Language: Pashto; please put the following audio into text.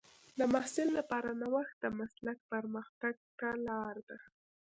د محصل لپاره نوښت د مسلک پرمختګ ته لار ده.